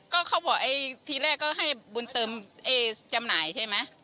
ก็เขาบอกไอ้ทีแรกก็ให้บุญเติมจำหน่ายใช่ไหม